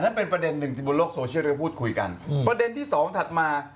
เป็นประเด็นหนึ่งที่บนโลกโซเชียลได้พูดคุยกันอืมประเด็นที่สองถัดมา